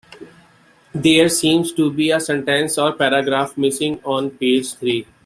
There seems to be a sentence or paragraph missing on page three.